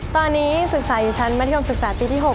ตอนนี้ศึกษาอยู่ชั้นมัธยมศึกษาปีที่๖